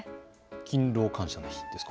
勤労感謝の日ですか。